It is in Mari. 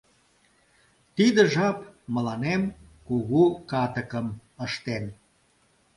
Тиде жап мыланем кугу катыкым ыштен.